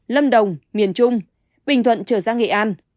lâm đồng miền trung bình thuận trở ra nghệ an